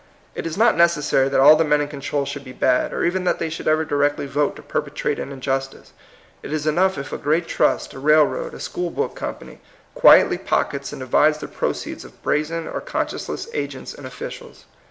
It is not necessary that all the men in control should be bad, or even that they should ever directly vote to perpetrate an injustice. It is enough if a great trust, a railroad, a school book company, quietly pockets and divides the proceeds of brazen or conscienceless agents and officials.